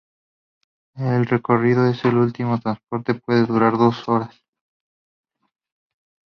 El recorrido de este último transporte puede durar dos horas.